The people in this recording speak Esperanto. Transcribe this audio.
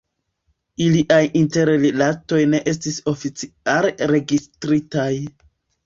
Iliaj interrilatoj ne estis oficiale registritaj.